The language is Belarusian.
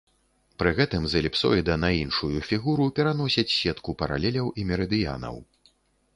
Пры гэтым з эліпсоіда на іншую фігуру пераносяць сетку паралеляў і мерыдыянаў.